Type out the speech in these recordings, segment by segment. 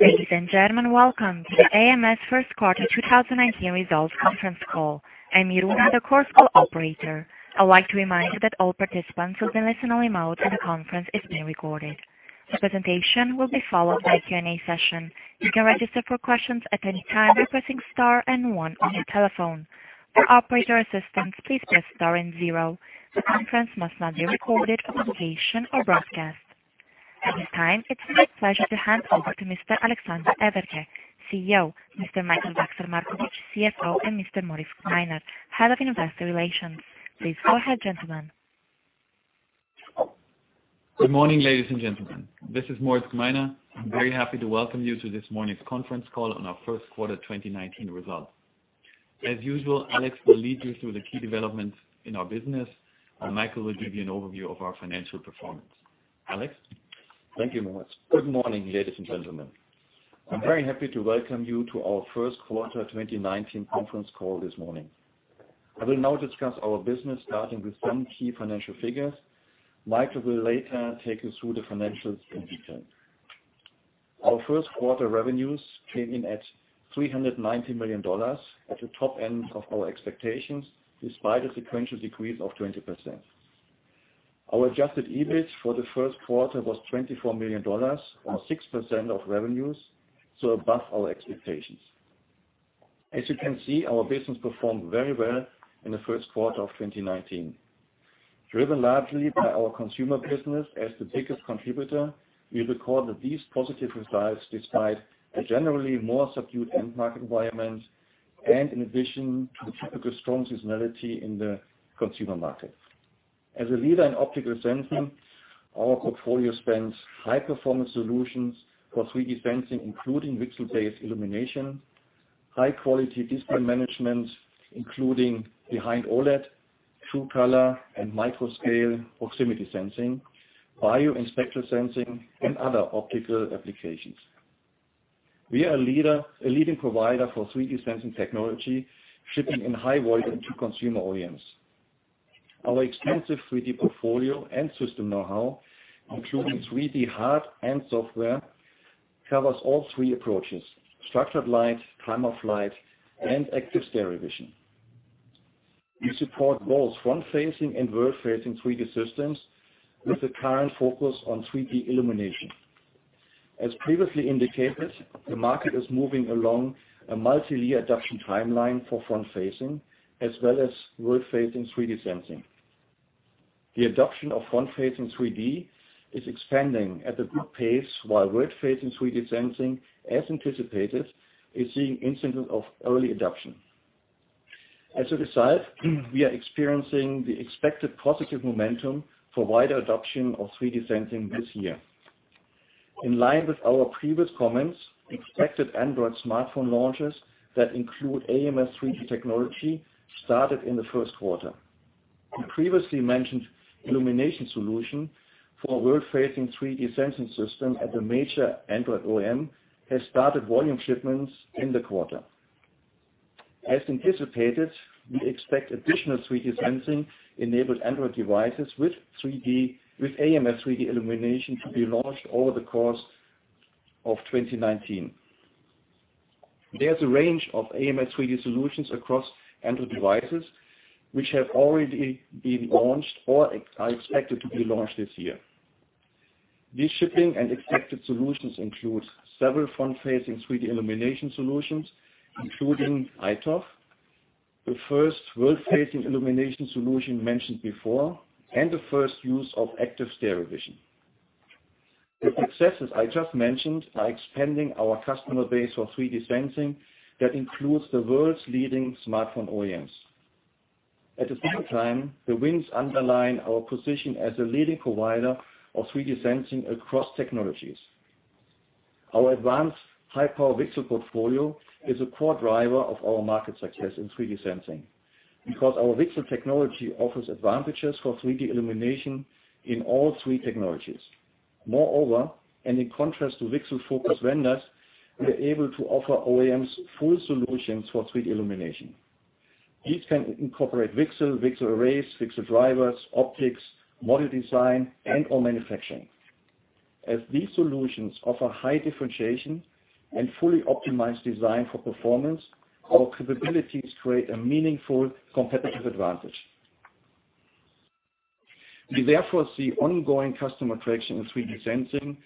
Ladies and gentlemen, welcome to the ams first quarter 2019 results conference call. I'm Iruna, the Chorus Call operator. I'd like to remind you that all participants will be listening remote and the conference is being recorded. The presentation will be followed by a Q&A session. You can register for questions at any time by pressing star and one on your telephone. For operator assistance, please press star and zero. The conference must not be recorded for publication or broadcast. At this time, it's my pleasure to hand over to Mr. Alexander Everke, CEO, Mr. Michael Wachsler-Markowitsch, CFO, and Mr. Moritz Gmeiner, Head of Investor Relations. Please go ahead, gentlemen. Good morning, ladies and gentlemen. This is Moritz Gmeiner. I'm very happy to welcome you to this morning's conference call on our first quarter 2019 results. As usual, Alex will lead you through the key developments in our business, and Michael will give you an overview of our financial performance. Alex? Thank you, Moritz. Good morning, ladies and gentlemen. I'm very happy to welcome you to our first quarter 2019 conference call this morning. I will now discuss our business starting with some key financial figures. Michael will later take you through the financials in detail. Our first quarter revenues came in at $390 million at the top end of our expectations, despite a sequential decrease of 20%. Our adjusted EBIT for the first quarter was $24 million or 6% of revenues, above our expectations. As you can see, our business performed very well in the first quarter of 2019, driven largely by our consumer business as the biggest contributor. We recorded these positive results despite a generally more subdued end market environment and in addition to the typical strong seasonality in the consumer market. As a leader in optical sensing, our portfolio spans high-performance solutions for 3D sensing, including VCSEL-based illumination, high-quality display management, including behind OLED, true color and microscale proximity sensing, bio/spectral sensing, and other optical applications. We are a leading provider for 3D sensing technology, shipping in high volume to consumer OEMs. Our extensive 3D portfolio and system know-how, including 3D hard and software, covers all three approaches, structured light, time-of-flight, and active stereo vision. We support both front-facing and world-facing 3D systems with the current focus on 3D illumination. As previously indicated, the market is moving along a multi-year adoption timeline for front-facing as well as world-facing 3D sensing. The adoption of front-facing 3D is expanding at a good pace while world-facing 3D sensing, as anticipated, is seeing instances of early adoption. As a result, we are experiencing the expected positive momentum for wider adoption of 3D sensing this year. In line with our previous comments, expected Android smartphone launches that include ams 3D technology started in the first quarter. The previously mentioned illumination solution for world-facing 3D sensing system at a major Android OEM has started volume shipments in the quarter. As anticipated, we expect additional 3D sensing-enabled Android devices with ams 3D illumination to be launched over the course of 2019. There's a range of ams 3D solutions across Android devices, which have already been launched or are expected to be launched this year. These shipping and expected solutions include several front-facing 3D illumination solutions, including iToF, the first world-facing illumination solution mentioned before, and the first use of active stereo vision. The successes I just mentioned are expanding our customer base for 3D sensing that includes the world's leading smartphone OEMs. At the same time, the wins underline our position as a leading provider of 3D sensing across technologies. Our advanced high-power VCSEL portfolio is a core driver of our market success in 3D sensing. Because our VCSEL technology offers advantages for 3D illumination in all three technologies. Moreover, and in contrast to VCSEL-focused vendors, we are able to offer OEMs full solutions for 3D illumination. These can incorporate VCSEL arrays, VCSEL drivers, optics, module design, and/or manufacturing. As these solutions offer high differentiation and fully optimized design for performance, our capabilities create a meaningful competitive advantage. We therefore see ongoing customer traction in 3D sensing,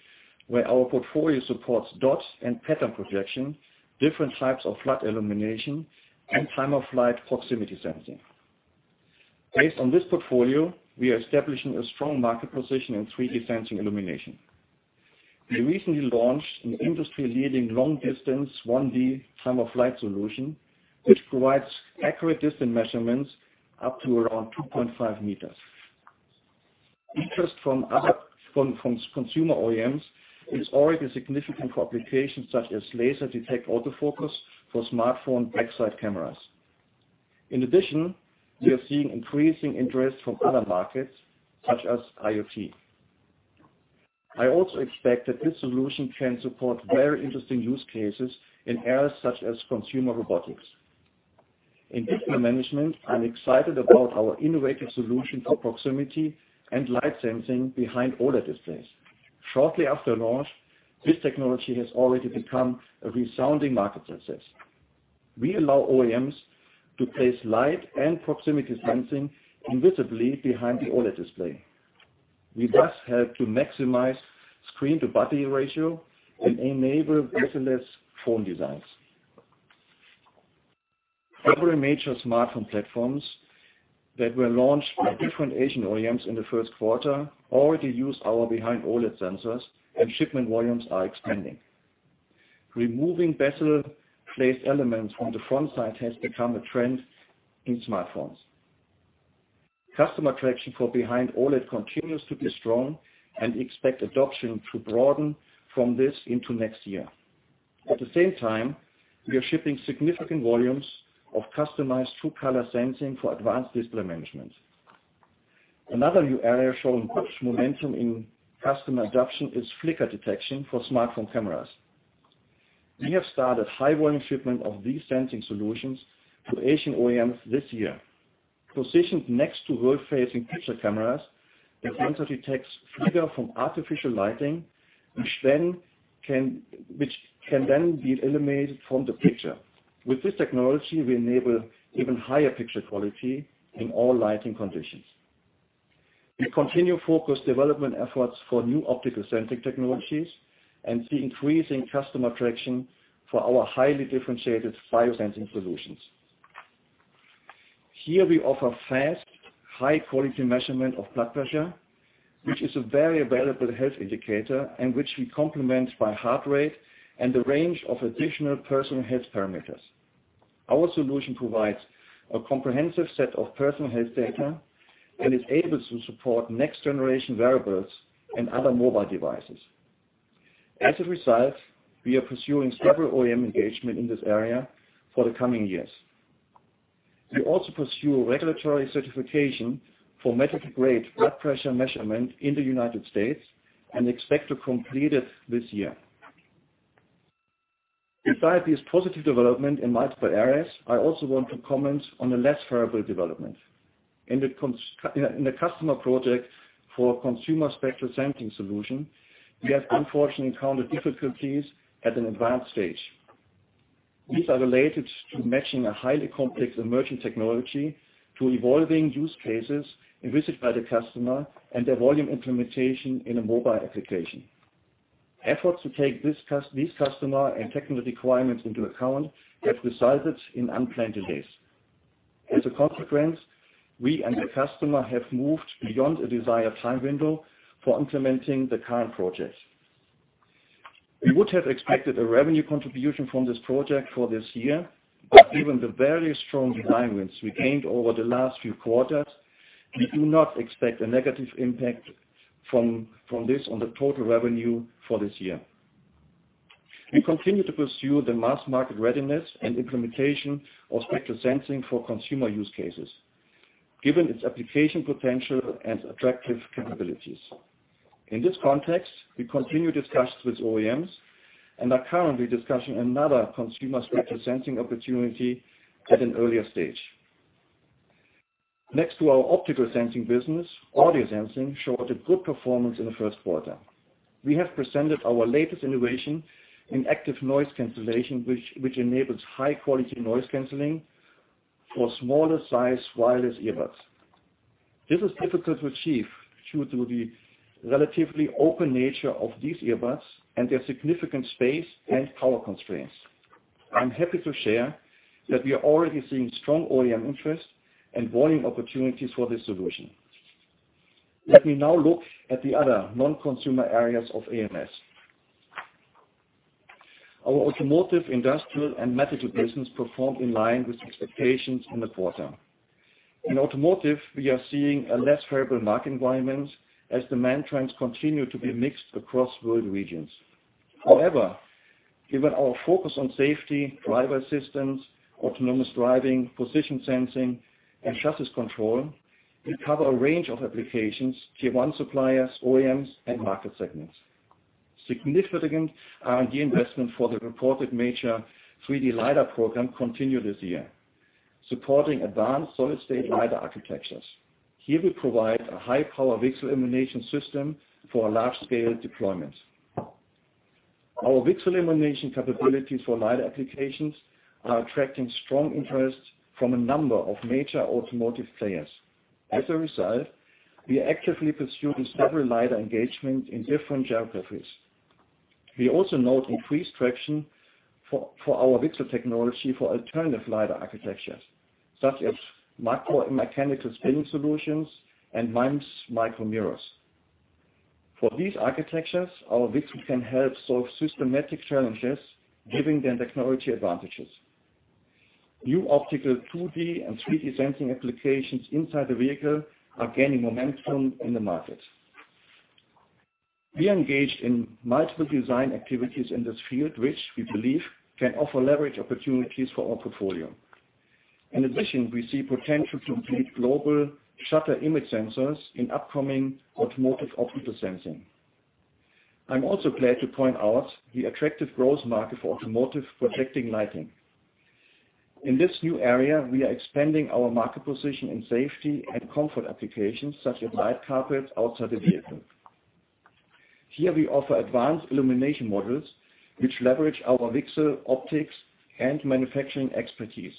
where our portfolio supports dot and pattern projection, different types of flood illumination, and time-of-flight proximity sensing. Based on this portfolio, we are establishing a strong market position in 3D sensing illumination. We recently launched an industry-leading long-distance 1D time-of-flight solution, which provides accurate distance measurements up to around 2.5 meters. Interest from consumer OEMs is already significant for applications such as laser detect autofocus for smartphone backside cameras. In addition, we are seeing increasing interest from other markets such as IoT. I also expect that this solution can support very interesting use cases in areas such as consumer robotics. In display management, I'm excited about our innovative solution for proximity and light sensing behind OLED displays. Shortly after launch, this technology has already become a resounding market success. We allow OEMs to place light and proximity sensing invisibly behind the OLED display. We thus help to maximize screen-to-body ratio and enable bezel-less phone designs. Several major smartphone platforms that were launched by different Asian OEMs in the first quarter already used our behind OLED sensors, and shipment volumes are expanding. Removing bezel placed elements from the front side has become a trend in smartphones. Customer traction for behind OLED continues to be strong, and expect adoption to broaden from this into next year. At the same time, we are shipping significant volumes of customized true color sensing for advanced display management. Another new area showing good momentum in customer adoption is flicker detection for smartphone cameras. We have started high volume shipment of these sensing solutions to Asian OEMs this year. Positioned next to road-facing picture cameras, the sensor detects flicker from artificial lighting, which can then be eliminated from the picture. With this technology, we enable even higher picture quality in all lighting conditions. We continue to focus development efforts for new optical sensing technologies and see increasing customer traction for our highly differentiated biosensing solutions. Here, we offer fast, high-quality measurement of blood pressure, which is a very valuable health indicator and which we complement by heart rate and a range of additional personal health parameters. Our solution provides a comprehensive set of personal health data and is able to support next-generation wearables and other mobile devices. As a result, we are pursuing several OEM engagement in this area for the coming years. We also pursue regulatory certification for medical-grade blood pressure measurement in the United States and expect to complete it this year. Besides this positive development in multiple areas, I also want to comment on a less favorable development. In the customer project for consumer spectral sensing solution, we have unfortunately encountered difficulties at an advanced stage. These are related to matching a highly complex emerging technology to evolving use cases envisaged by the customer and their volume implementation in a mobile application. Efforts to take these customer and technical requirements into account have resulted in unplanned delays. As a consequence, we and the customer have moved beyond a desired time window for implementing the current project. We would have expected a revenue contribution from this project for this year, but given the very strong dynamics we gained over the last few quarters, we do not expect a negative impact from this on the total revenue for this year. We continue to pursue the mass market readiness and implementation of spectral sensing for consumer use cases, given its application potential and attractive capabilities. In this context, we continue discussions with OEMs and are currently discussing another consumer spectral sensing opportunity at an earlier stage. Next to our optical sensing business, audio sensing showed a good performance in the first quarter. We have presented our latest innovation in active noise cancellation, which enables high-quality noise canceling for smaller size wireless earbuds. This is difficult to achieve due to the relatively open nature of these earbuds and their significant space and power constraints. I'm happy to share that we are already seeing strong OEM interest and volume opportunities for this solution. Let me now look at the other non-consumer areas of ams. Our automotive, industrial, and medical business performed in line with expectations in the quarter. In automotive, we are seeing a less favorable market environment as demand trends continue to be mixed across world regions. However, given our focus on safety, driver systems, autonomous driving, position sensing, and chassis control, we cover a range of applications, Tier 1 suppliers, OEMs, and market segments. Significant R&D investment for the reported major 3D LiDAR program continue this year, supporting advanced solid state LiDAR architectures. Here, we provide a high-power VCSEL illumination system for a large-scale deployment. Our VCSEL illumination capabilities for LiDAR applications are attracting strong interest from a number of major automotive players. As a result, we are actively pursuing several LiDAR engagements in different geographies. We also note increased traction for our VCSEL technology for alternative LiDAR architectures, such as macro-mechanical spinning solutions and MEMS micromirrors. For these architectures, our VCSEL can help solve systematic challenges, giving them technology advantages. New optical 2D and 3D sensing applications inside the vehicle are gaining momentum in the market. We are engaged in multiple design activities in this field, which we believe can offer leverage opportunities for our portfolio. In addition, we see potential to complete global shutter image sensors in upcoming automotive optical sensing. I'm also glad to point out the attractive growth market for automotive projecting lighting. In this new area, we are expanding our market position in safety and comfort applications such as light carpets outside the vehicle. Here we offer advanced illumination modules which leverage our VCSEL optics and manufacturing expertise.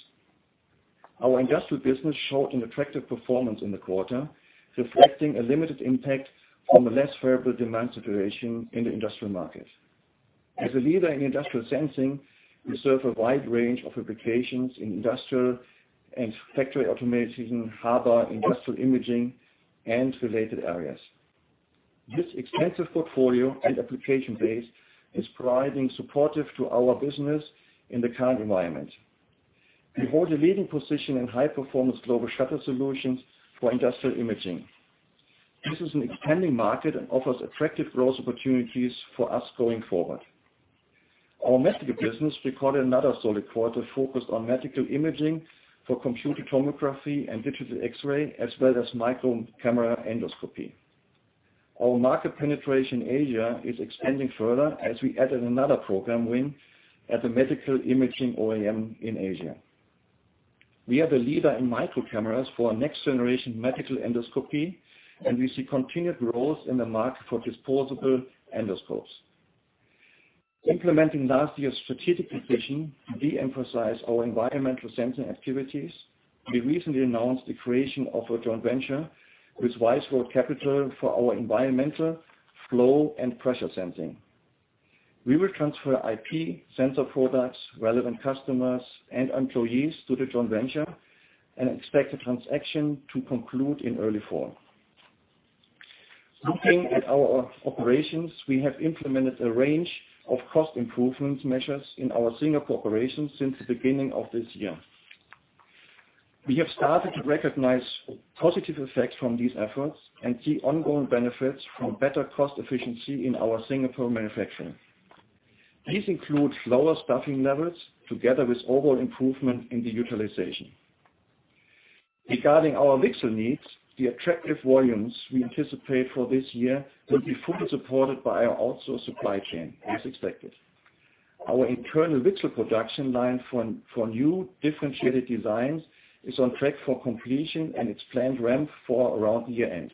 Our industrial business showed an attractive performance in the quarter, reflecting a limited impact from a less favorable demand situation in the industrial market. As a leader in industrial sensing, we serve a wide range of applications in industrial and factory automation, hardware, industrial imaging, and related areas. This expansive portfolio and application base is proving supportive to our business in the current environment. We hold a leading position in high-performance global shutter solutions for industrial imaging. This is an expanding market and offers attractive growth opportunities for us going forward. Our medical business recorded another solid quarter focused on medical imaging for computed tomography and digital X-ray, as well as microcamera endoscopy. Our market penetration in Asia is expanding further as we added another program win at the medical imaging OEM in Asia. We are the leader in microcameras for next-generation medical endoscopy, and we see continued growth in the market for disposable endoscopes. Implementing last year's strategic decision to de-emphasize our environmental sensing activities, we recently announced the creation of a joint venture with Wise Road Capital for our environmental flow and pressure sensing. We will transfer IP, sensor products, relevant customers, and employees to the joint venture, and expect the transaction to conclude in early fall. Looking at our operations, we have implemented a range of cost improvement measures in our Singapore operations since the beginning of this year. We have started to recognize positive effects from these efforts and see ongoing benefits from better cost efficiency in our Singapore manufacturing. These include lower staffing levels together with overall improvement in the utilization. Regarding our VCSEL needs, the attractive volumes we anticipate for this year will be fully supported by our outsourced supply chain as expected. Our internal VCSEL production line for new differentiated designs is on track for completion and its planned ramp for around year-end.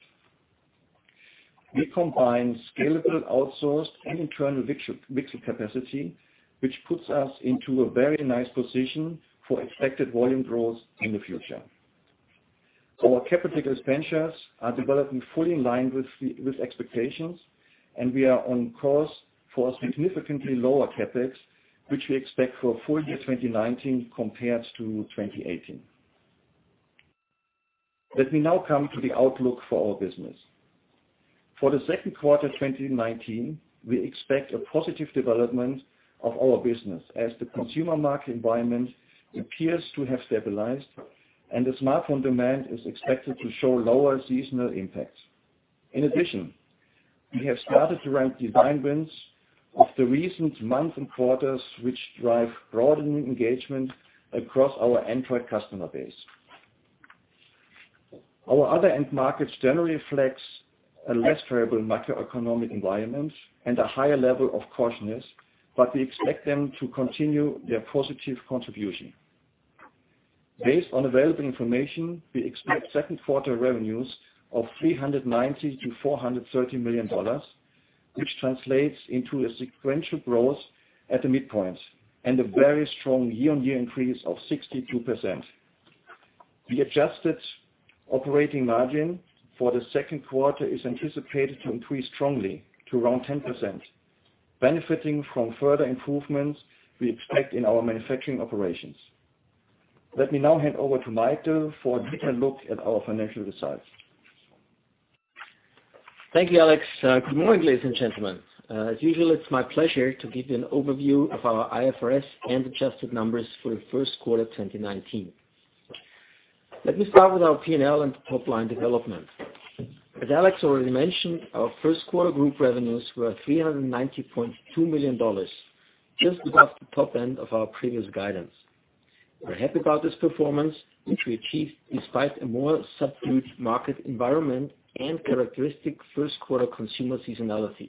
We combine scalable outsourced and internal VCSEL capacity, which puts us into a very nice position for expected volume growth in the future. Our capital expenditures are developing fully in line with expectations, we are on course for a significantly lower CapEx, which we expect for full year 2019 compared to 2018. Let me now come to the outlook for our business. For the second quarter 2019, we expect a positive development of our business as the consumer market environment appears to have stabilized, the smartphone demand is expected to show lower seasonal impact. In addition, we have started to ramp design wins of the recent months and quarters, which drive broadening engagement across our Android customer base. Our other end markets generally reflect a less favorable macroeconomic environment and a higher level of cautiousness, we expect them to continue their positive contribution. Based on available information, we expect second quarter revenues of $390 million-$430 million, which translates into a sequential growth at the midpoint and a very strong year-on-year increase of 62%. The adjusted operating margin for the second quarter is anticipated to increase strongly to around 10%, benefiting from further improvements we expect in our manufacturing operations. Let me now hand over to Mike for a different look at our financial results. Thank you, Alex. Good morning, ladies and gentlemen. As usual, it is my pleasure to give you an overview of our IFRS and adjusted numbers for the first quarter 2019. Let me start with our P&L and top-line development. As Alex already mentioned, our first quarter group revenues were $390.2 million, just above the top end of our previous guidance. We are happy about this performance, which we achieved despite a more subdued market environment and characteristic first quarter consumer seasonality.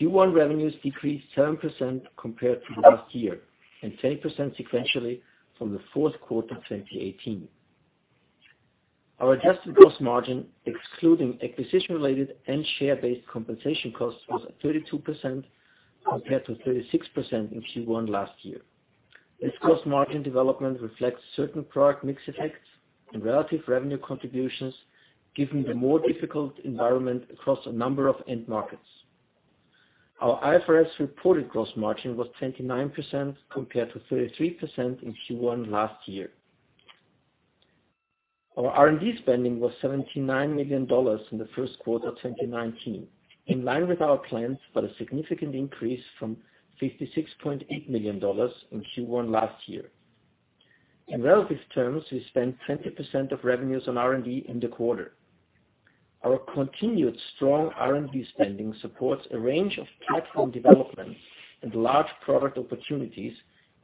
Q1 revenues decreased 7% compared to last year and 10% sequentially from the fourth quarter 2018. Our adjusted gross margin, excluding acquisition-related and share-based compensation costs, was at 32% compared to 36% in Q1 last year. This gross margin development reflects certain product mix effects and relative revenue contributions given the more difficult environment across a number of end markets. Our IFRS reported gross margin was 29% compared to 33% in Q1 last year. Our R&D spending was $79 million in the first quarter 2019, in line with our plans, but a significant increase from $56.8 million in Q1 last year. In relative terms, we spent 20% of revenues on R&D in the quarter. Our continued strong R&D spending supports a range of platform developments and large product opportunities,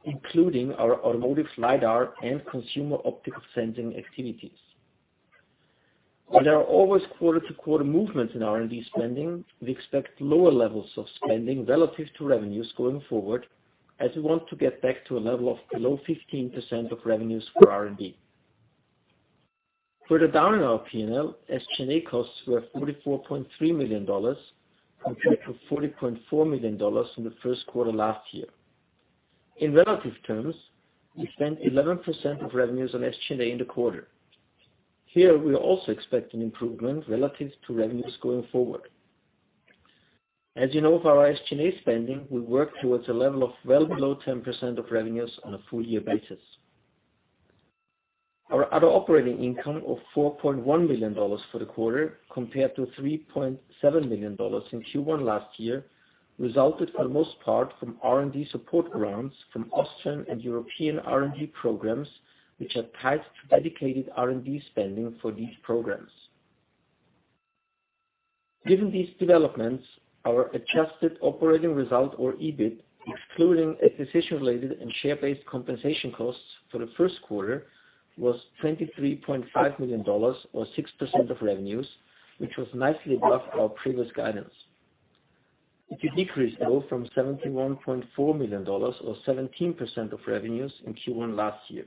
including our automotive LiDAR and consumer optical sensing activities. There are always quarter-to-quarter movements in R&D spending. We expect lower levels of spending relative to revenues going forward, as we want to get back to a level of below 15% of revenues for R&D. Further down in our P&L, SG&A costs were $44.3 million compared to $40.4 million in the first quarter last year. In relative terms, we spent 11% of revenues on SG&A in the quarter. Here, we also expect an improvement relative to revenues going forward. As you know, for our SG&A spending, we work towards a level of well below 10% of revenues on a full-year basis. Our other operating income of $4.1 million for the quarter compared to $3.7 million in Q1 last year resulted almost part from R&D support grants from Austrian and European R&D programs, which are tied to dedicated R&D spending for these programs. Given these developments, our adjusted operating result or EBIT, excluding acquisition-related and share-based compensation costs for the first quarter was $23.5 million or 6% of revenues, which was nicely above our previous guidance. It decreased, though, from $71.4 million, or 17% of revenues in Q1 last year.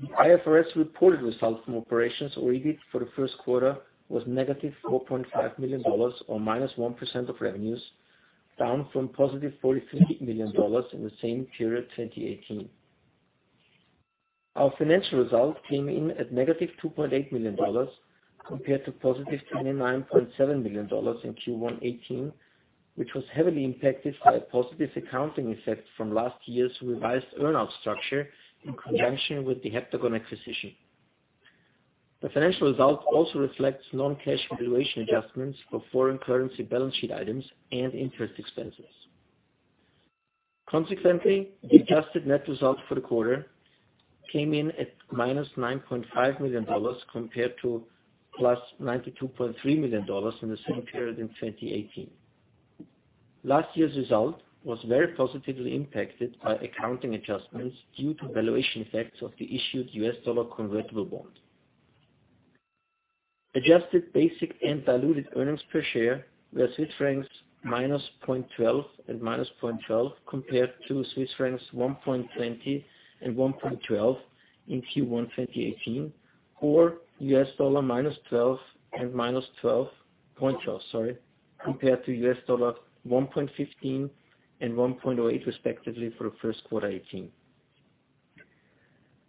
The IFRS reported result from operations or EBIT for the first quarter was negative EUR 4.5 million, or -1% of revenues, down from positive EUR 43 million in the same period 2018. Our financial result came in at negative EUR 2.8 million, compared to positive EUR 29.7 million in Q1 2018, which was heavily impacted by a positive accounting effect from last year's revised earn-out structure in conjunction with the Heptagon acquisition. The financial result also reflects non-cash valuation adjustments for foreign currency balance sheet items and interest expenses. The adjusted net result for the quarter came in at minus EUR 9.5 million compared to plus EUR 92.3 million in the same period in 2018. Last year's result was very positively impacted by accounting adjustments due to valuation effects of the issued U.S. dollar convertible bond. Adjusted basic and diluted earnings per share were -0.12 Swiss francs and -0.12, compared to Swiss francs 1.20 and 1.12 in Q1 2018, or U.S. dollar -12 and -12.12, sorry, compared to U.S. dollar 1.15 and 1.08 respectively for the first quarter 2018.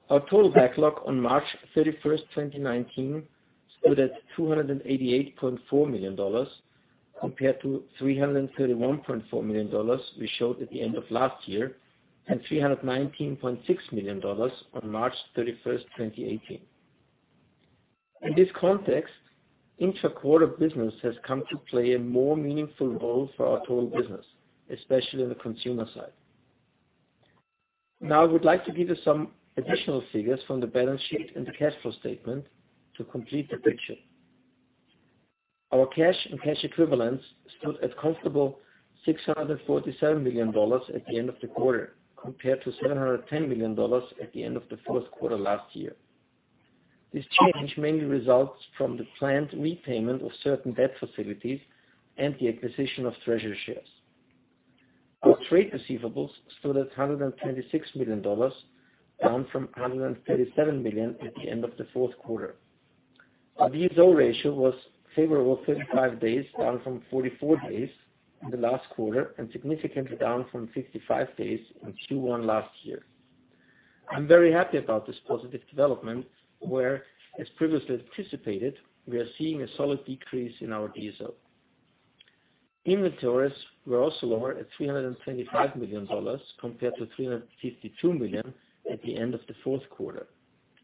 Our total backlog on March 31st, 2019, stood at EUR 288.4 million compared to EUR 331.4 million we showed at the end of last year, and EUR 319.6 million on March 31st, 2018. In this context, intra-quarter business has come to play a more meaningful role for our total business, especially on the consumer side. I would like to give you some additional figures from the balance sheet and the cash flow statement to complete the picture. Our cash and cash equivalents stood at comfortable EUR 647 million at the end of the quarter, compared to EUR 710 million at the end of the fourth quarter last year. This change mainly results from the planned repayment of certain debt facilities and the acquisition of treasury shares. Our trade receivables stood at EUR 126 million, down from 137 million at the end of the fourth quarter. Our DSO ratio was a favorable 35 days, down from 44 days in the last quarter, and significantly down from 55 days in Q1 last year. I'm very happy about this positive development where, as previously anticipated, we are seeing a solid decrease in our DSO. Inventories were also lower at EUR 325 million, compared to 352 million at the end of the fourth quarter,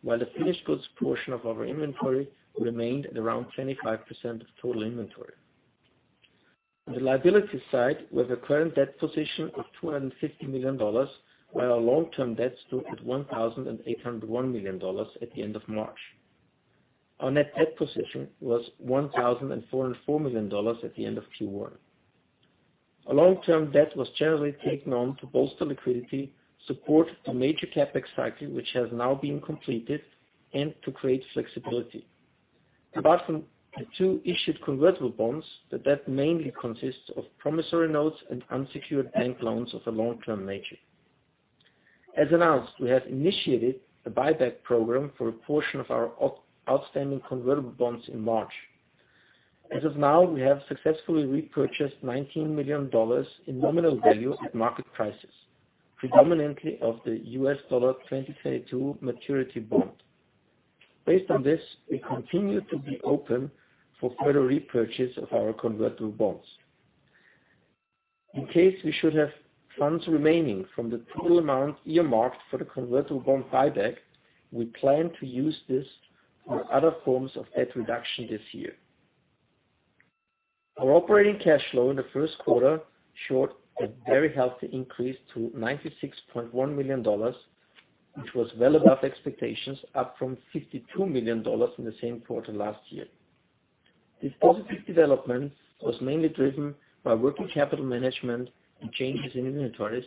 while the finished goods portion of our inventory remained at around 25% of total inventory. On the liability side, we have a current debt position of EUR 250 million, while our long-term debt stood at EUR 1,801 million at the end of March. Our net debt position was EUR 1,404 million at the end of Q1. Our long-term debt was generally taken on to bolster liquidity, support the major CapEx cycle, which has now been completed, and to create flexibility. Apart from the two issued convertible bonds, the debt mainly consists of promissory notes and unsecured bank loans of a long-term nature. We have initiated a buyback program for a portion of our outstanding convertible bonds in March. We have successfully repurchased EUR 19 million in nominal value at market prices, predominantly of the U.S. dollar 2022 maturity bond. We continue to be open for further repurchase of our convertible bonds. In case we should have funds remaining from the total amount earmarked for the convertible bond buyback, we plan to use this for other forms of debt reduction this year. Our operating cash flow in the first quarter showed a very healthy increase to EUR 96.1 million, which was well above expectations, up from EUR 52 million in the same quarter last year. This positive development was mainly driven by working capital management and changes in inventories,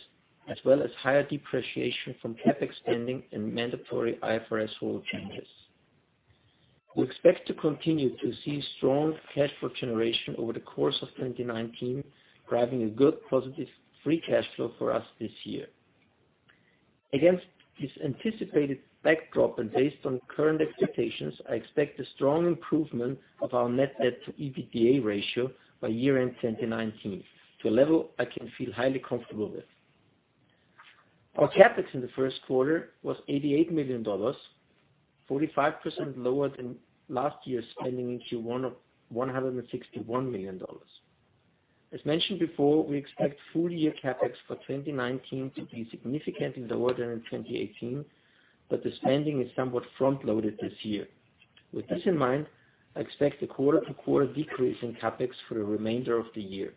as well as higher depreciation from CapEx spending and mandatory IFRS rule changes. We expect to continue to see strong cash flow generation over the course of 2019, driving a good positive free cash flow for us this year. Against this anticipated backdrop and based on current expectations, I expect a strong improvement of our net debt to EBITDA ratio by year-end 2019 to a level I can feel highly comfortable with. Our CapEx in the first quarter was EUR 88 million, 45% lower than last year's spending in Q1 of EUR 161 million. As mentioned before, we expect full-year CapEx for 2019 to be significantly lower than in 2018, but the spending is somewhat front-loaded this year. With this in mind, I expect a quarter-to-quarter decrease in CapEx for the remainder of the year.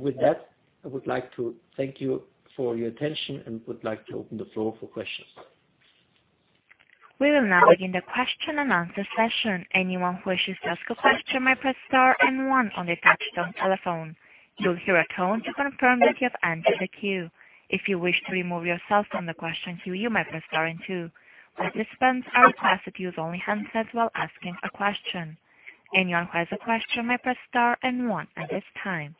With that, I would like to thank you for your attention and would like to open the floor for questions. We will now begin the question and answer session. Anyone who wishes to ask a question may press star and one on their touchtone telephone. You'll hear a tone to confirm that you have entered the queue. If you wish to remove yourself from the question queue, you may press star and two. Participants are asked to use only handsets while asking a question. Anyone who has a question may press star and one at this time.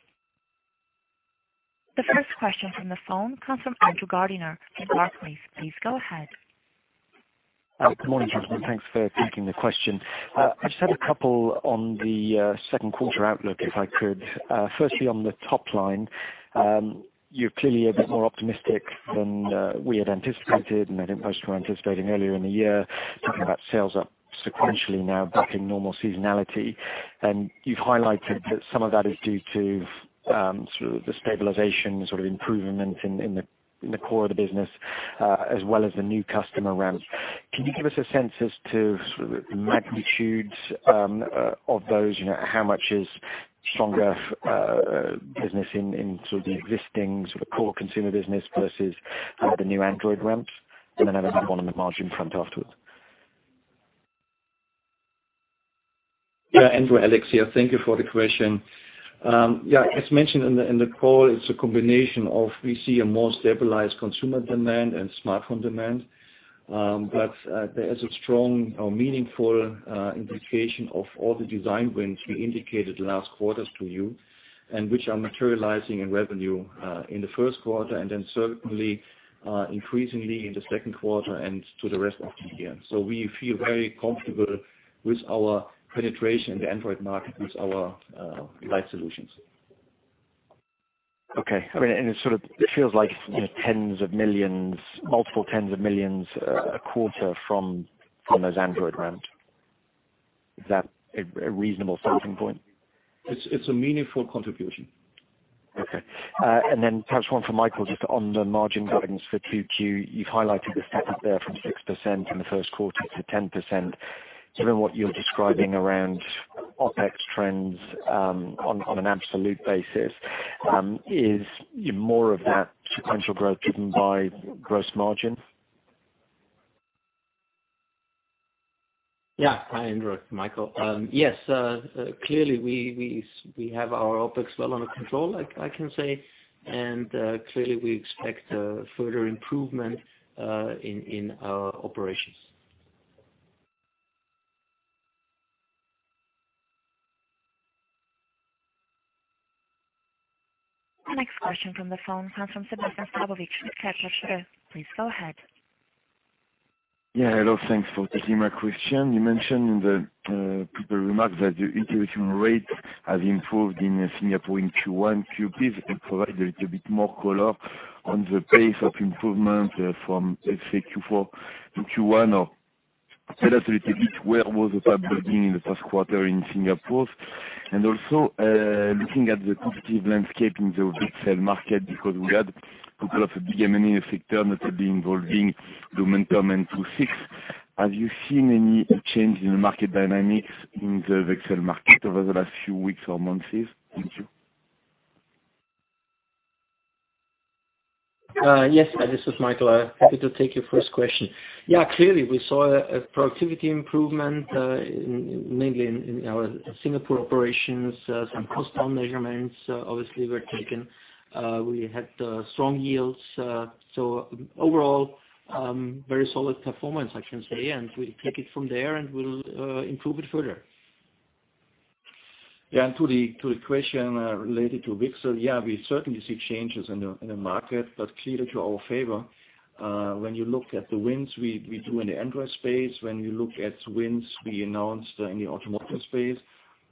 The first question from the phone comes from Andrew Gardiner from Barclays. Please go ahead. Good morning, gentlemen. Thanks for taking the question. I just had a couple on the second quarter outlook, if I could. Firstly, on the top line, you're clearly a bit more optimistic than we had anticipated and I think most were anticipating earlier in the year, talking about sales up sequentially now back in normal seasonality. You've highlighted that some of that is due to the stabilization, improvement in the core of the business, as well as the new customer ramps. Can you give us a sense as to the magnitude of those? How much is stronger business in the existing core consumer business versus the new Android ramps? Then I have another one on the margin front afterwards. Andrew. Alex here. Thank you for the question. As mentioned in the call, it is a combination of, we see a more stabilized consumer demand and smartphone demand. There is a strong or meaningful indication of all the design wins we indicated last quarters to you, which are materializing in revenue in the first quarter and certainly increasingly in the second quarter and to the rest of the year. We feel very comfortable with our penetration in the Android market with our light solutions. Okay. It sort of feels like tens of millions, multiple tens of millions a quarter from those Android ramps. Is that a reasonable starting point? It is a meaningful contribution. Okay. Perhaps one for Michael, just on the margin guidance for 2Q. You have highlighted a step-up there from 6% in the first quarter to 10%. Given what you are describing around OpEx trends on an absolute basis, is more of that sequential growth driven by gross margin? Hi, Andrew. Michael. Yes, clearly we have our OpEx well under control, I can say. Clearly we expect further improvement in our operations. The next question from the phone comes from Sebastien Sztabowicz from Credit Suisse. Please go ahead. Hello. Thanks for taking my question. You mentioned in the prepared remarks that your integration rates have improved in Singapore in Q1. Could you please provide a little bit more color on the pace of improvement from, let's say, Q4 to Q1? Or tell us a little bit where was the 1% gain in the first quarter in Singapore? Also, looking at the competitive landscape in the VCSEL market, because we had a couple of big M&A sector, notably involving Lumentum and II-VI. Have you seen any change in the market dynamics in the VCSEL market over the last few weeks or months? Thank you. Yes. This is Michael. Happy to take your first question. Clearly we saw a productivity improvement, mainly in our Singapore operations. Some cost down measurements obviously were taken. We had strong yields. Overall, very solid performance, I can say, and we take it from there, and we'll improve it further. Yeah, to the question related to VCSEL. Yeah, we certainly see changes in the market, but clearly to our favor. When you look at the wins we do in the Android space, when you look at wins we announced in the automotive space,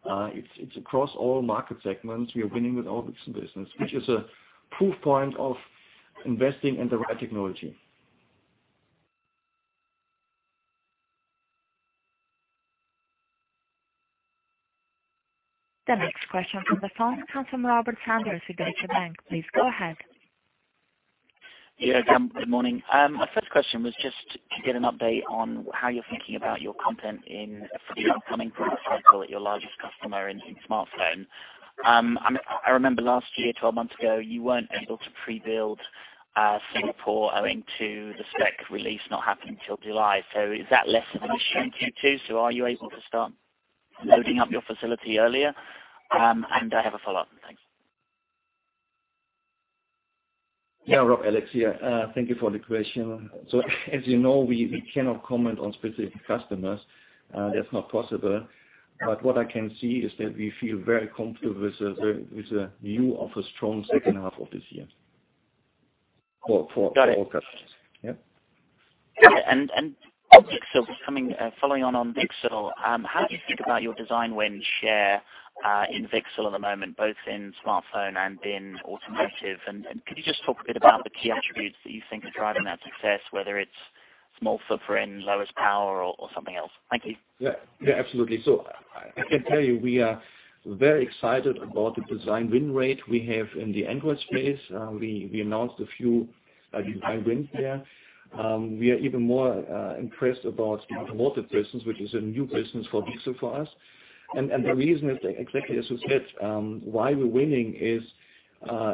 it's across all market segments. We are winning with all VCSEL business, which is a proof point of investing in the right technology. The next question from the phone comes from Robert Sanders from Deutsche Bank. Please go ahead. Yeah. Good morning. My first question was just to get an update on how you're thinking about your content for the upcoming product cycle at your largest customer in smartphone. I remember last year, 12 months ago, you weren't able to pre-build Singapore owing to the spec release not happening till July. Is that less of an issue in Q2? Are you able to start loading up your facility earlier? I have a follow-up. Thanks. Yeah, Rob, Alex here. Thank you for the question. As you know, we cannot comment on specific customers. That's not possible. What I can see is that we feel very comfortable with the view of a strong second half of this year. Got it. Yeah. Following on VCSEL, how do you think about your design win share in VCSEL at the moment, both in smartphone and in automotive? Could you just talk a bit about the key attributes that you think are driving that success, whether it's small footprint, lowest power, or something else? Thank you. Yeah. Absolutely. I can tell you we are very excited about the design win rate we have in the Android space. We announced a few design wins there. We are even more impressed about automotive business, which is a new business for VCSEL for us. The reason is exactly as you said, why we're winning is,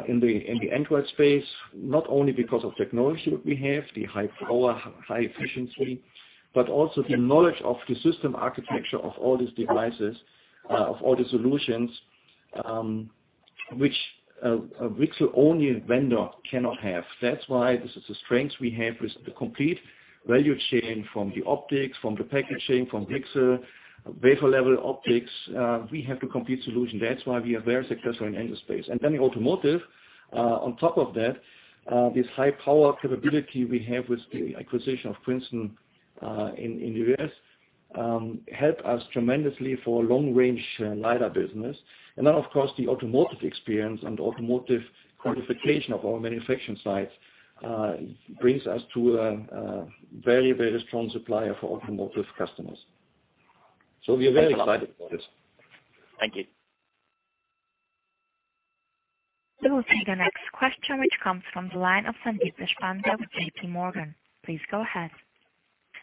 in the Android space, not only because of technology that we have, the high power, high efficiency, but also the knowledge of the system architecture of all these devices, of all the solutions, which a VCSEL-only vendor cannot have. That's why this is a strength we have with the complete value chain, from the optics, from the packaging, from VCSEL, wafer-level optics. We have the complete solution. That's why we are very successful in Android space. In automotive, on top of that, this high power capability we have with the acquisition of Princeton in the U.S., help us tremendously for long-range LiDAR business. Of course, the automotive experience and automotive qualification of our manufacturing sites brings us to a very strong supplier for automotive customers. We are very excited about this. Thank you. We will take the next question, which comes from the line of Sandeep Deshpande with J.P. Morgan. Please go ahead.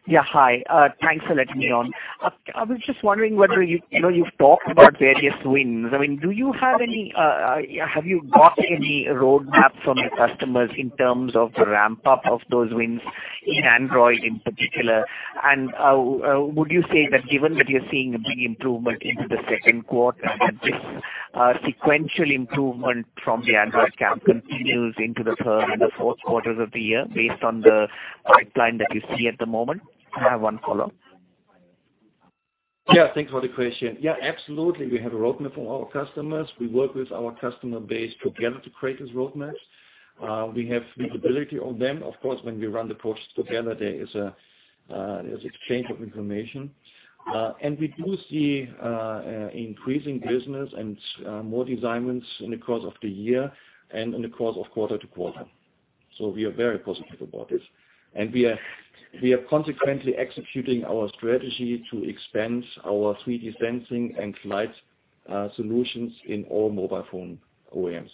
Yeah. Hi. Thanks for letting me on. I was just wondering, you've talked about various wins. Have you got any roadmap from your customers in terms of the ramp-up of those wins in Android in particular? Would you say that given that you're seeing a big improvement into the second quarter, that this sequential improvement from the Android camp continues into the third and the fourth quarters of the year based on the pipeline that you see at the moment? I have one follow-up. Yeah. Thanks for the question. Yeah, absolutely. We have a roadmap for our customers. We work with our customer base together to create this roadmap. We have visibility on them. Of course, when we run the process together, there is exchange of information. We do see increasing business and more design wins in the course of the year and in the course of quarter to quarter. We are very positive about this. We are consequently executing our strategy to expand our 3D sensing and time-of-flight solutions in all mobile phone OEMs.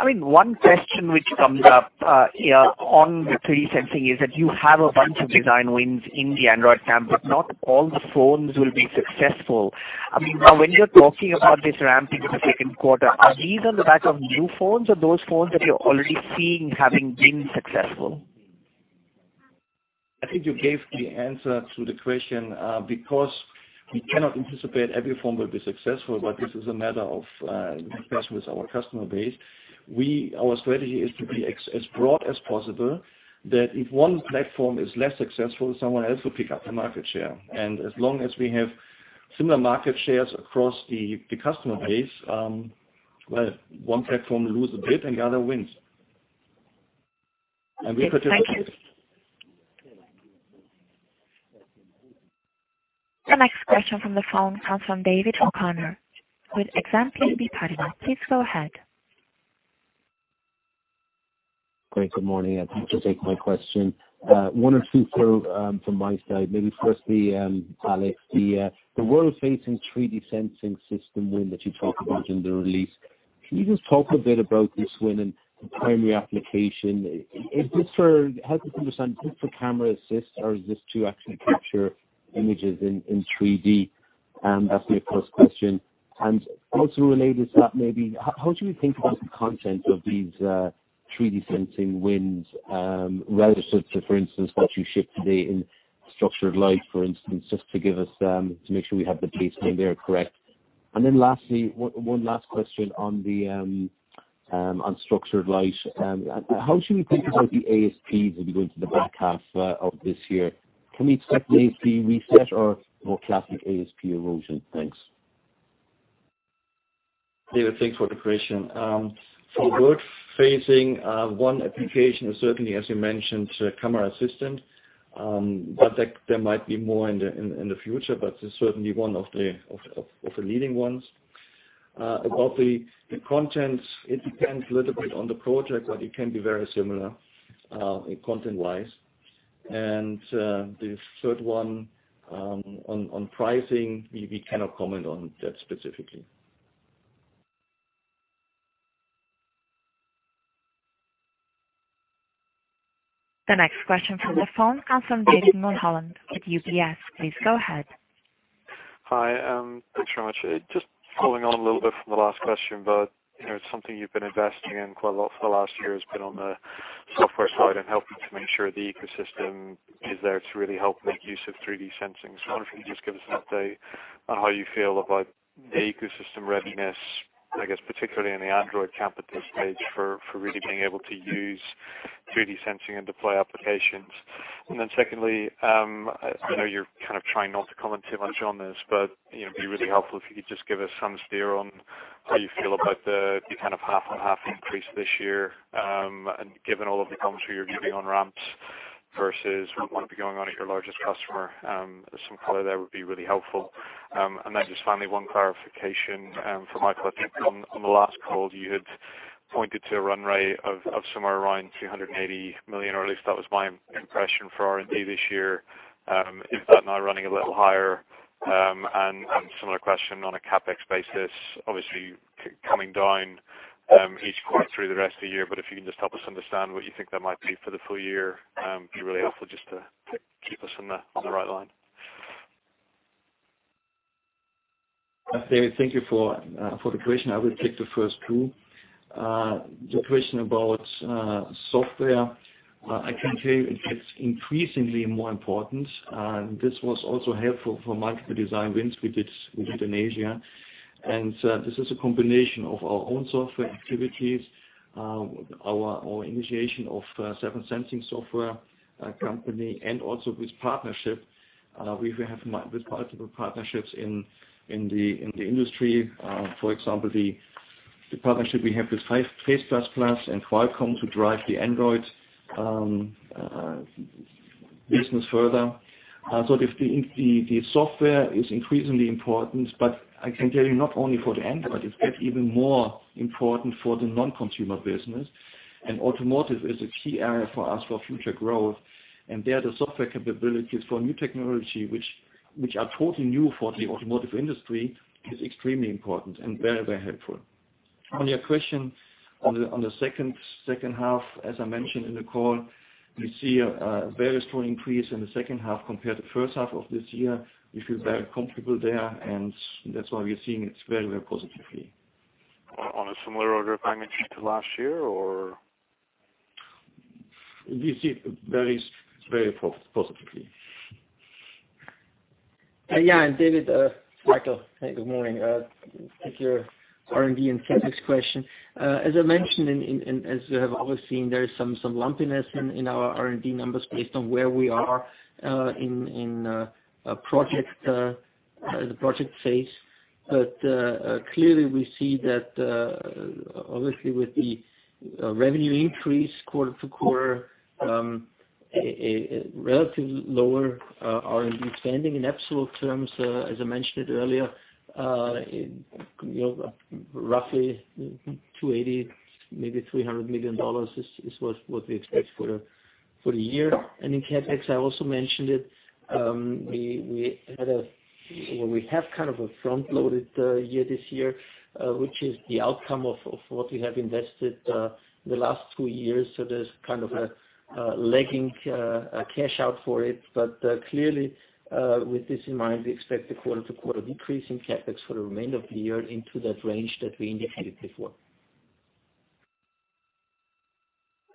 One question which comes up on the 3D sensing is that you have a bunch of design wins in the Android camp, but not all the phones will be successful. When you're talking about this ramp into the second quarter, are these on the back of new phones or those phones that you're already seeing having been successful? I think you gave the answer to the question. We cannot anticipate every phone will be successful, but this is a matter of discussing with our customer base. Our strategy is to be as broad as possible, that if one platform is less successful, someone else will pick up the market share. As long as we have similar market shares across the customer base, one platform lose a bit and the other wins. We participate. Thank you. The next question from the phone comes from David O'Connor with Exane BNP Paribas. Please go ahead. Great. Good morning. Thanks for taking my question. One or two from my side. Maybe firstly, Alex, the world-facing 3D sensing system win that you talked about in the release. Can you just talk a bit about this win and the primary application? Help us understand, is this for camera assist or is this to actually capture images in 3D? That's my first question. Also related to that, maybe how do we think about the content of these 3D sensing wins relative to, for instance, what you ship today in structured light, for instance, just to make sure we have the baseline there correct. Lastly, one last question on structured light. How should we think about the ASP as we go into the back half of this year? Can we expect ASP reset or classic ASP erosion? Thanks. David, thanks for the question. For world-facing, one application is certainly, as you mentioned, camera assistant. There might be more in the future, but it's certainly one of the leading ones. About the content, it depends a little bit on the project, but it can be very similar content-wise. The third one, on pricing, we cannot comment on that specifically. The next question from the phone comes from David Mulholland with UBS. Please go ahead. Hi. Thanks very much. Following on a little bit from the last question, it's something you've been investing in quite a lot for the last year, has been on the software side and helping to make sure the ecosystem is there to really help make use of 3D sensing. I wonder if you could just give us an update on how you feel about the ecosystem readiness, I guess particularly in the Android camp at this stage, for really being able to use 3D sensing and deploy applications. Secondly, I know you're kind of trying not to comment too much on this, it'd be really helpful if you could just give us some steer on how you feel about the kind of half-on-half increase this year, given all of the comms you're giving on ramps versus what might be going on at your largest customer. Some color there would be really helpful. Just finally, one clarification for Michael. On the last call, you had pointed to a run rate of somewhere around 380 million, or at least that was my impression, for R&D this year. Is that now running a little higher? Similar question on a CapEx basis, obviously coming down each quarter through the rest of the year, if you can just help us understand what you think that might be for the full year, it'd be really helpful just to keep us on the right line. David, thank you for the question. I will take the first two. The question about software, I can tell you it gets increasingly more important. This was also helpful for multiple design wins we did within Asia. This is a combination of our own software activities, our initiation of several sensing software company, also with partnership. We have multiple partnerships in the industry. For example, the partnership we have with Face++ and Qualcomm to drive the Android business further. The software is increasingly important, I can tell you not only for the Android, it's get even more important for the non-consumer business. Automotive is a key area for us for future growth. There, the software capabilities for new technology, which are totally new for the automotive industry, is extremely important and very helpful. On your question on the second half, as I mentioned in the call, we see a very strong increase in the second half compared to first half of this year. We feel very comfortable there, and that's why we are seeing it very positively. On a similar order of magnitude to last year, or? We see it very positively. Yeah, David, Michael. Hey, good morning. Thank you. R&D and CapEx question. As I mentioned and as you have always seen, there is some lumpiness in our R&D numbers based on where we are in the project phase. Clearly, we see that, obviously, with the revenue increase quarter-to-quarter, a relatively lower R&D spending in absolute terms, as I mentioned it earlier. Roughly 280 million, maybe EUR 300 million is what we expect for the year. In CapEx, I also mentioned it. We have kind of a front-loaded year this year, which is the outcome of what we have invested the last two years. There's kind of a lagging cash out for it. Clearly, with this in mind, we expect a quarter-to-quarter decrease in CapEx for the remainder of the year into that range that we indicated before.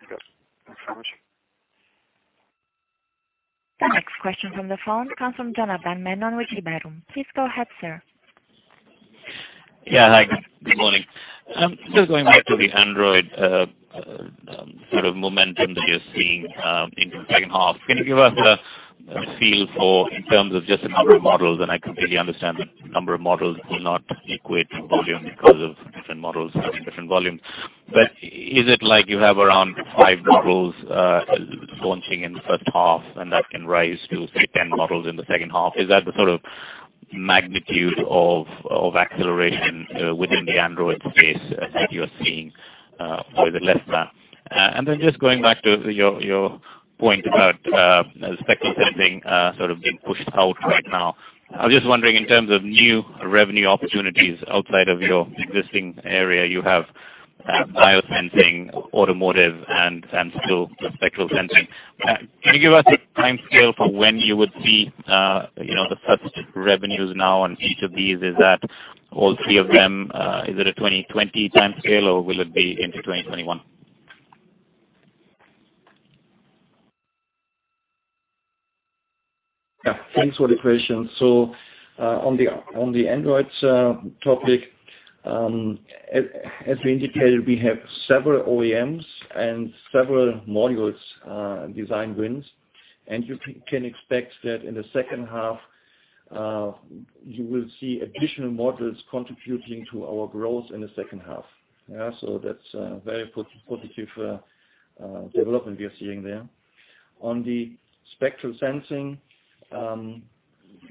Yes. Thanks very much. The next question from the phone comes from Janardan Menon with Jefferies. Please go ahead, sir. Yeah, hi. Good morning. Just going back to the Android sort of momentum that you're seeing in the second half. Can you give us a feel for, in terms of just the number of models, and I completely understand that number of models will not equate to volume because of different models having different volumes. But is it like you have around 5 models launching in the first half, and that can rise to, say, 10 models in the second half? Is that the sort of magnitude of acceleration within the Android space that you're seeing with the like? And then just going back to your point about spectral sensing sort of being pushed out right now. I was just wondering in terms of new revenue opportunities outside of your existing area, you have biosensing, automotive, and still the spectral sensing. Can you give us a timescale for when you would see the first revenues now on each of these? Is that all three of them, is it a 2020 timescale, or will it be into 2021? Thanks for the question. On the Android topic, as we indicated, we have several OEMs and several modules design wins, and you can expect that in the second half, you will see additional models contributing to our growth in the second half. That's a very positive development we are seeing there. On the spectral sensing,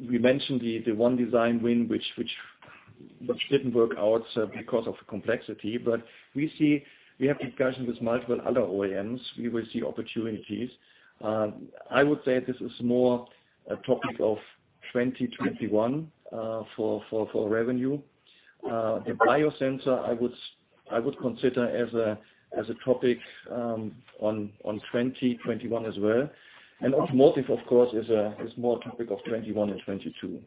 we mentioned the one design win which didn't work out because of complexity. We have discussions with multiple other OEMs. We will see opportunities. I would say this is more a topic of 2021 for revenue. The biosensor, I would I would consider as a topic on 2021 as well. Automotive, of course, is more a topic of 2021 and 2022.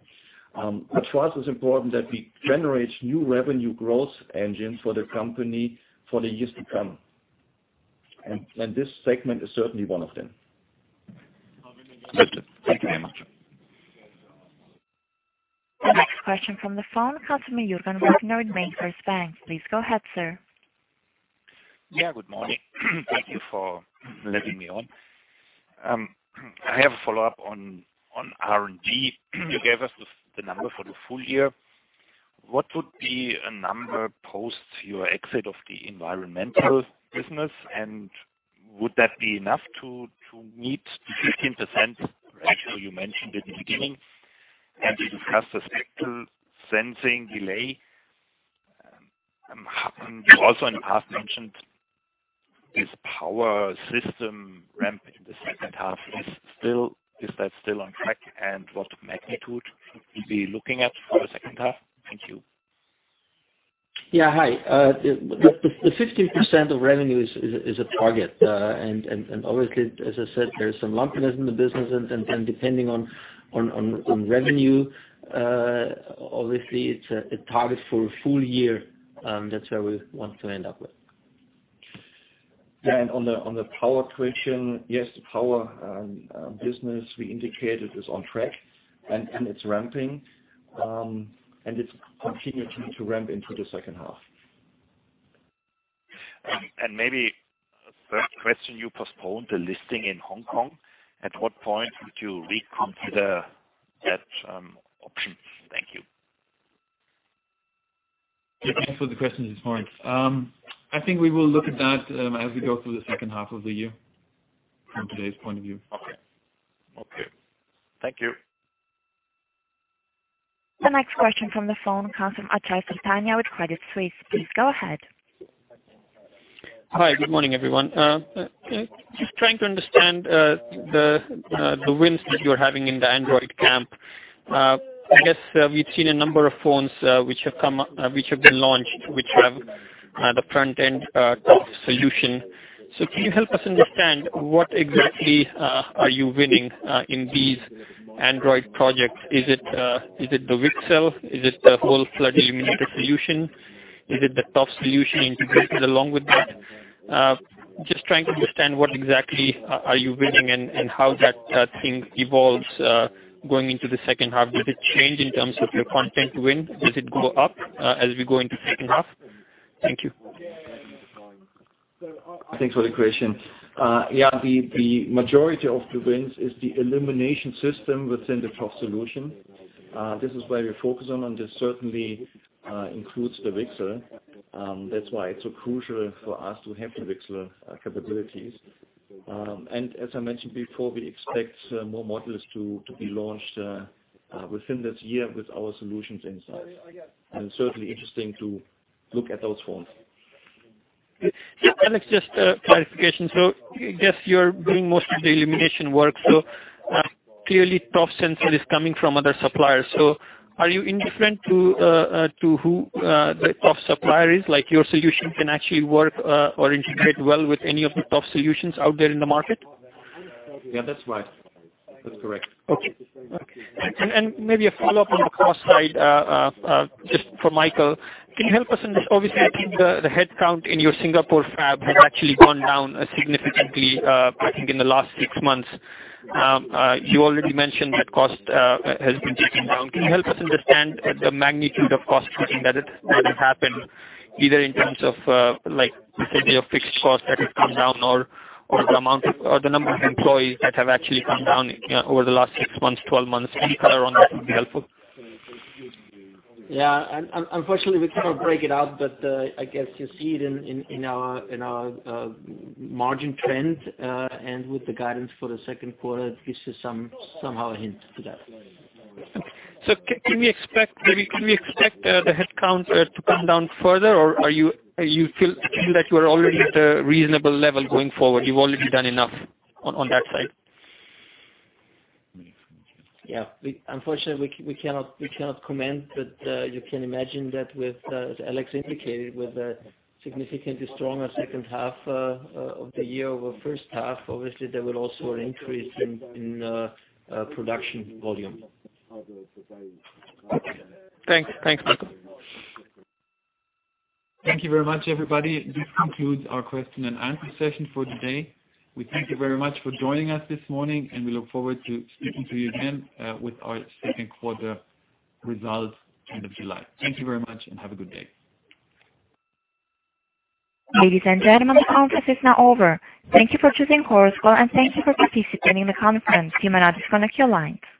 For us, it's important that we generate new revenue growth engines for the company for the years to come. This segment is certainly one of them. Understood. Thank you very much. The next question from the phone comes from Juergen Wagner with MainFirst Bank. Please go ahead, sir. Good morning. Thank you for letting me on. I have a follow-up on R&D. You gave us the number for the full year. What would be a number post your exit of the environmental business, and would that be enough to meet the 15% ratio you mentioned at the beginning? You discussed the spectral sensing delay. You also in the past mentioned this power system ramp in the second half. Is that still on track, and what magnitude we'll be looking at for the second half? Thank you. Hi. The 15% of revenue is a target. Obviously, as I said, there's some lumpiness in the business, and then depending on revenue, obviously, it's a target for a full year. That's where we want to end up with. On the power question, yes, the power business we indicated is on track, and it's ramping. It's continuing to ramp into the second half. Maybe a third question. You postponed the listing in Hong Kong. At what point would you reconsider that option? Thank you. Thanks for the questions this morning. I think we will look at that as we go through the second half of the year, from today's point of view. Okay. Thank you. The next question from the phone comes from Achal Sultania with Credit Suisse. Please go ahead. Hi. Good morning, everyone. Just trying to understand the wins that you're having in the Android camp. I guess we've seen a number of phones which have been launched, which have the front-end TOF solution. Can you help us understand what exactly are you winning in these Android projects? Is it the VCSEL? Is it the whole flood illuminated solution? Is it the TOF solution integrated along with that? Just trying to understand what exactly are you winning and how that thing evolves going into the second half. Does it change in terms of your content win? Does it go up as we go into second half? Thank you. Thanks for the question. Yeah, the majority of the wins is the illumination system within the TOF solution. This is where we focus on, and this certainly includes the VCSEL. That's why it's so crucial for us to have the VCSEL capabilities. As I mentioned before, we expect more models to be launched within this year with our solutions inside, and certainly interesting to look at those phones. Yeah, Alex, just a clarification. I guess you're doing most of the illumination work. Clearly TOF sensor is coming from other suppliers. Are you indifferent to who the TOF supplier is? Like, your solution can actually work or integrate well with any of the TOF solutions out there in the market? Yeah, that's right. That's correct. Okay. Maybe a follow-up on the cost side, just for Michael. Can you help us understand, obviously, I think the headcount in your Singapore fab has actually gone down significantly, I think, in the last six months. You already mentioned that cost has been taken down. Can you help us understand the magnitude of cost cutting that has happened, either in terms of, say, your fixed cost that has come down or the number of employees that have actually come down over the last six months, 12 months? Any color on that would be helpful. Yeah. Unfortunately, we cannot break it out, I guess you see it in our margin trend. With the guidance for the second quarter, this is somehow a hint to that. Can we expect the headcount to come down further, or you feel like you are already at a reasonable level going forward, you've already done enough on that side? Unfortunately, we cannot comment, but you can imagine that as Alex indicated, with a significantly stronger second half of the year over first half, obviously, there will also an increase in production volume. Okay. Thanks, Michael. Thank you very much, everybody. This concludes our question and answer session for today. We thank you very much for joining us this morning, and we look forward to speaking to you again with our second quarter results end of July. Thank you very much and have a good day. Ladies and gentlemen, the conference is now over. Thank you for choosing Chorus Call, and thank you for participating in the conference. You may now disconnect your line. Take care.